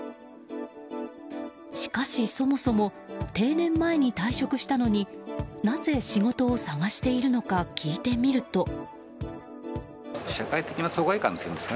しかし、そもそも定年前に退職したのになぜ仕事を探しているのか聞いてみると。